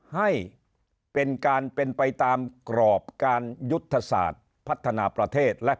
ให้เป็นการเป็นไปตามกรอบการยุทธศาสตร์พัฒนาประเทศ